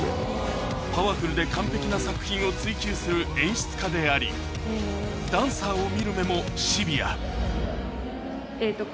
パワフルで完璧な作品を追求する演出家でありダンサーを見る目もシビアえっと